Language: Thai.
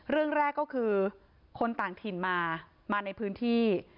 เรื่องแรกก็คือคนต่างถิ่นมามาในพื้นที่